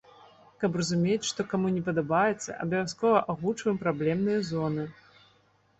Каб разумець, што каму не падабаецца, абавязкова агучваем праблемныя зоны.